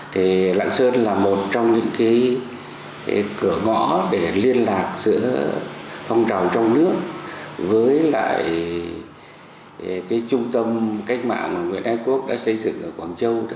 thì lạng sơn là một trong những cái cửa ngõ để liên lạc giữa phong trào trong nước với lại cái trung tâm cách mạng mà nguyễn ái quốc đã xây dựng ở quảng châu